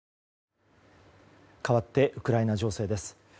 かわってウクライナ情勢です。